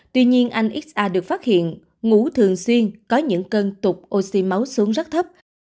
tuy nhiên anh xa được phát hiện ngủ thường xuyên có những cân tục oxy máu xuống rất thấp